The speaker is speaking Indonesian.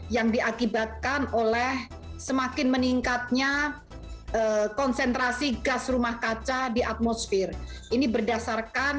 yang diakibatkan oleh semakin meningkatnya konsentrasi gas rumah kaca di atmosfer ini berdasarkan